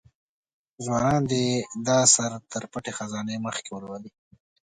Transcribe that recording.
ځوانان دي دا اثر تر پټې خزانې مخکې ولولي.